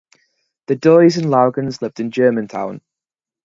The Dyes and Logans lived in Germantown.